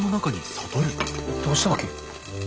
どうしたわけ？